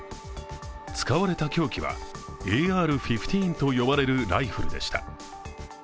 使われた凶器はＡＲ−１５と呼ばれるライフルでした。